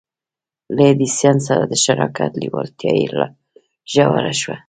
له ايډېسن سره د شراکت لېوالتیا يې لا ژوره شوه.